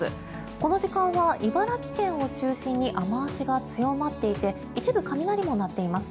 この時間は茨城県を中心に雨脚が強まっていて一部、雷も鳴っています。